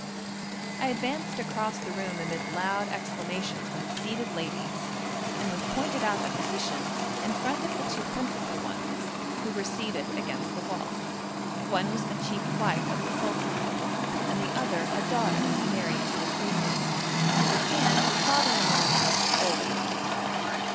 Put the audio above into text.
I advanced across the room amid loud exclamations from the seated ladies, and was pointed out a position in front of the two principal ones, who were seated against the wall one was the chief wife of the sultan, and the other a daughter married to a seyyid, whose hand his father in law must always kiss.